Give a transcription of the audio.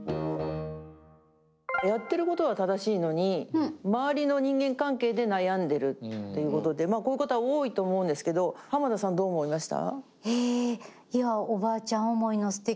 やってることは正しいのに、周りの人間関係で悩んでるっていうことで、こういうことは多いと思うんですけど、濱田さん、どう思いました？